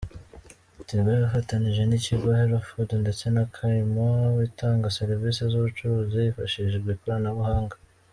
Tigo yafatanije n’ikigo Hellofood ndetse na Kaymu itanga serivisi z’ubucuruzi hifashishijwe ikoranabuhanga.